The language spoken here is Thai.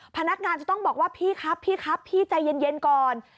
พนักงานจะต้องบอกว่าพี่ครับพี่ครับพี่ใจเย็นก่อน